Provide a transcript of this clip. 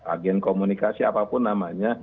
agen komunikasi apapun namanya